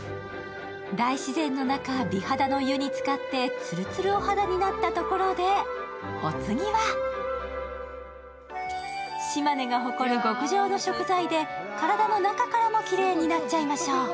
大自然の中、美肌の湯に浸かってつるつるお肌になったところで、お次は島根が誇る極上の食材で体の中からもきれいになっちゃいましょう。